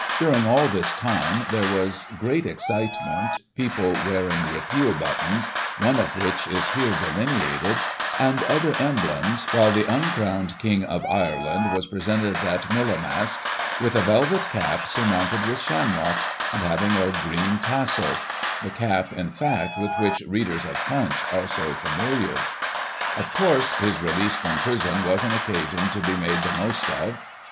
During all this time there was great excitement, people wearing Repeal buttons, one of which is here delineated, and other emblems, while the uncrowned King of Ireland was presented, at MuUaghmast, with a velvet cap surmounted with shamrocks, and having a green tassel ; the cap, in fact, with which readers of Punch are so familiar. Of course, his release from prison was an occasion to be made the most of.